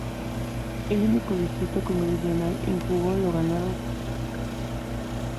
El único distrito congresional en juego lo ganaron los Republicanos.